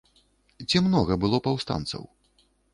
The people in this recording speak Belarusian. Ці многа было паўстанцаў?